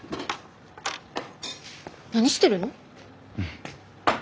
何してるの？